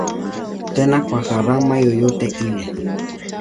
Tena kwa gharama yoyote ile.